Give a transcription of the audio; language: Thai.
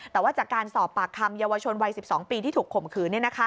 แต่ว่าจากการสอบปากคำเยาวชนวัย๑๒ปีที่ถูกข่มขืน